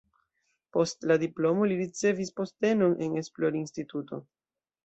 Post la diplomo li ricevis postenon en esplorinstituto.